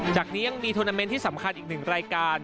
จากนี้ยังมีทวนาเมนต์ที่สำคัญอีกหนึ่งรายการ